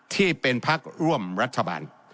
ที่เป็นพักร่วมรัฐบาล